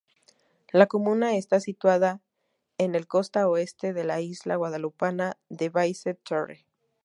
La comuna está situada en el costa oeste de la isla guadalupana de Basse-Terre.